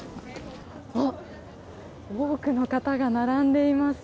多くの方が並んでいます。